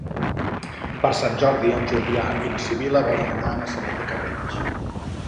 Per Sant Jordi en Julià i na Sibil·la volen anar a Maçanet de Cabrenys.